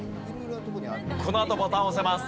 このあとボタン押せます。